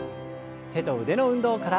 手と腕の運動から。